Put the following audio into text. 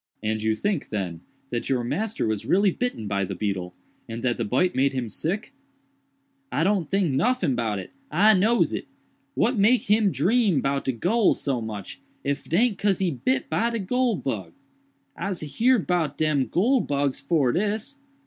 "And you think, then, that your master was really bitten by the beetle, and that the bite made him sick?" "I do n't tink noffin about it—I nose it. What make him dream 'bout de goole so much, if 'taint cause he bit by de goole bug? Ise heerd 'bout dem goole bugs fore dis."